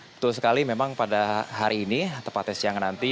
betul sekali memang pada hari ini tepatnya siang nanti